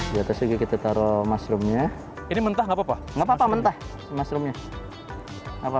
di atas kita taruh mushroomnya ini mentah nggak papa nggak papa mentah mushroomnya